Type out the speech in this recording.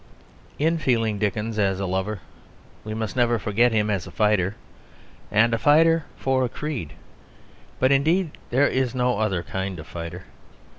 In feeling Dickens as a lover we must never forget him as a fighter, and a fighter for a creed; but indeed there is no other kind of fighter.